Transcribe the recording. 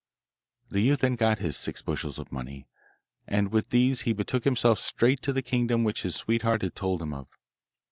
The youth then got his six bushels of money, and with these he betook himself straight to the kingdom which his sweetheart had told him of.